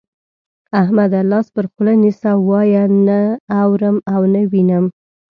احمده! لاس پر خوله نيسه، وايه چې نه اورم او نه وينم.